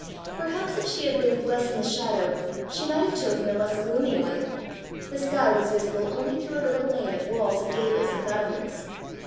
Perhaps if she had lived less in the shadow, she might have chosen a less gloomy one: the sky was visible only through a little lane of walls and gables and battlements.